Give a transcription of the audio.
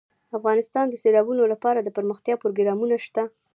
افغانستان کې د سیلابونه لپاره دپرمختیا پروګرامونه شته.